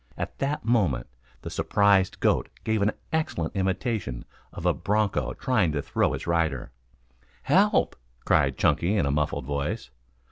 At that moment the surprised goat gave an excellent imitation of a broncho trying to throw its rider. "Hel p!" cried Chunky in a muffled voice.